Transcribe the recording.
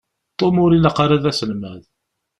Tom ur ilaq ara d aselmad.